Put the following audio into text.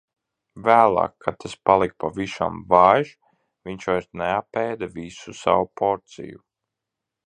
Vēlāk, kad tas palika pavisam vājš, viņš vairs neapēda visu savu porciju.